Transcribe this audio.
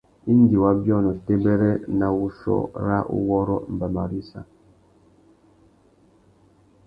Indi wa biônô têbêrê na wuchiô râ uwôrrô mbama râ issa.